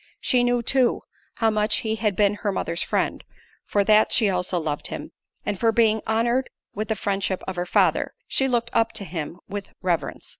She knew, too, how much he had been her mother's friend; for that, she also loved him; and for being honoured with the friendship of her father, she looked up to him with reverence.